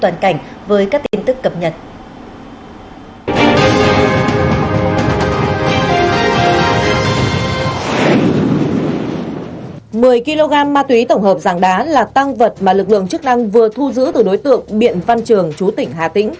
nam ma túy tổng hợp ràng đá là tăng vật mà lực lượng chức năng vừa thu giữ từ đối tượng biện văn trường chú tỉnh hà tĩnh